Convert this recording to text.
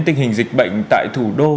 tình hình dịch bệnh tại thủ đô